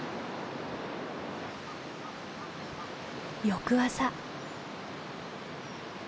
翌朝。